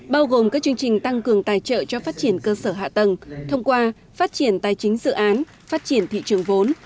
bao gồm các chương trình tăng cường tài trợ cho phát triển cơ sở hạ tầng thông qua phát triển tài chính dự án phát triển thị trường vốn